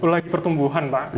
lagi pertumbuhan pak